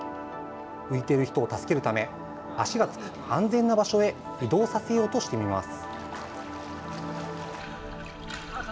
浮いている人を助けるため足が着く安全な場所へ移動させようとしてみます。